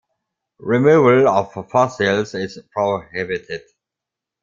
Removal of fossils is prohibited.